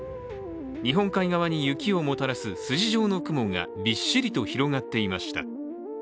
日本海側に雪をもたらす筋状の雲がびっしりと広がっていました。